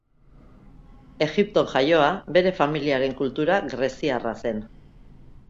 Egipton jaioa, bere familiaren kultura greziarra zen.